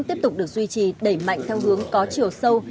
tiếp tục được duy trì đẩy mạnh theo hướng có chiều sâu